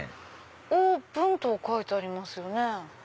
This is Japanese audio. オープンと書いてありますよね。